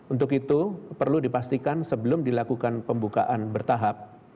untuk itu perlu dipastikan sebelum dilakukan pembukaan bertahap